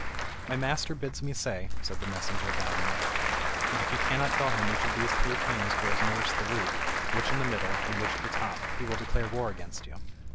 "My master bids me say," said the messenger, bowing low, "that if you cannot tell him which of these three canes grows nearest the root, which in the middle, and which at the top, he will declare war against you.